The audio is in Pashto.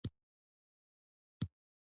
د فزیک هره ورځ نوې ده.